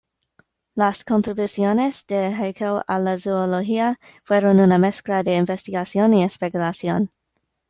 Las contribuciones de Haeckel a la zoología fueron una mezcla de investigación y especulación.